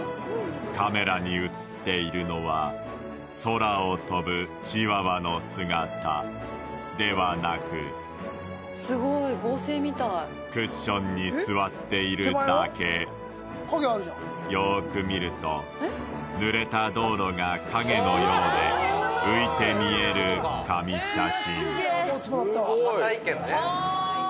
カメラに写っているのは空を飛ぶチワワの姿ではなくすごい合成みたいクッションに座っているだけよーく見ると濡れた道路が影のようで浮いて見える神写真